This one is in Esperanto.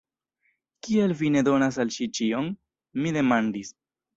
Kial vi ne donas al ŝi ĉion? mi demandis.